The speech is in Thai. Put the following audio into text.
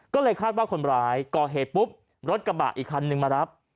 ก็เลยคาดว่าคนร้ายก่อเหตุปุ๊บรถกระบะอีกคันนึงมารับ